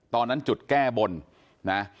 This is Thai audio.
ตอนนั้นจุดแก้บนนะ